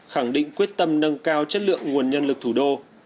khẳng định quyết tâm nâng cao chất lượng nguồn nhân lực thủ đô